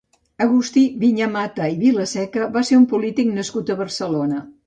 Agustí Viñamata i Vilaseca va ser un polític nascut a Barcelona.